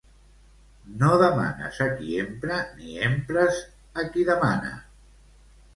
No demanes a qui empra, ni empres a qui demana.